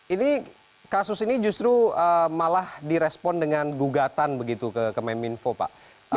ini kasus ini justru malah direspon dengan gugatan begitu ke kemeninfo pak